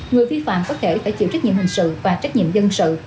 người vi phạm có thể phải chịu trách nhiệm hình sự và trách nhiệm dân sự